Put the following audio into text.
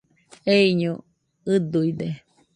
Eiño ɨduide